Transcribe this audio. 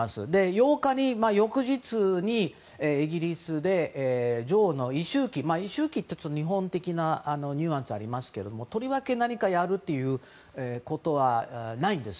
翌日の８日にイギリスで女王の一周忌一周忌というと日本的なニュアンスがありますけどとりわけ何かやるということはないんです。